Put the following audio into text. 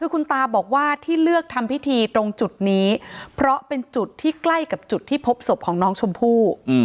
คือคุณตาบอกว่าที่เลือกทำพิธีตรงจุดนี้เพราะเป็นจุดที่ใกล้กับจุดที่พบศพของน้องชมพู่